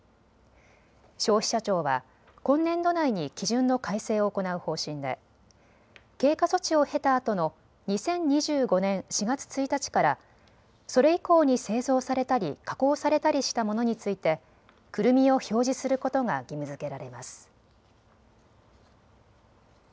消費者庁は今年度内に基準の改正を行う方針で経過措置を経たあとの２０２５年４月１日からそれ以降に製造されたり加工されたりしたものについてくるみを表示することが義務づけられます。